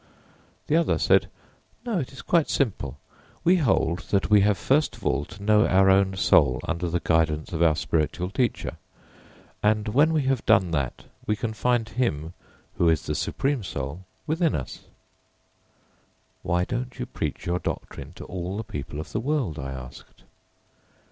The other said, "No, it is quite simple. We hold that we have first of all to know our own soul under the guidance of our spiritual teacher, and when we have done that we can find him, who is the Supreme Soul, within us." "Why don't you preach your doctrine to all the people of the world?" I asked.